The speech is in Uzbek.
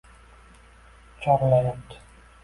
chorlayapti